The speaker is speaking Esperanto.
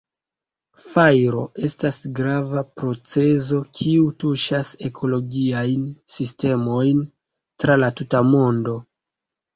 Fajro estas grava procezo kiu tuŝas ekologiajn sistemojn tra la tuta mondo.